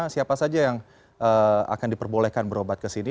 siapa saja yang akan diperbolehkan berobat ke sini